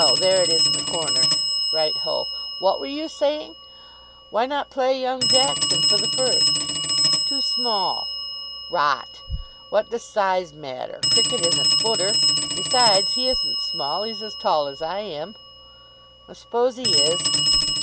There it is in the corner." "Right ho!... What were you saying?" "Why not play young Jackson for the first?" "Too small." "Rot. What does size matter? Cricket isn't footer. Besides, he isn't small. He's as tall as I am." "I suppose he is.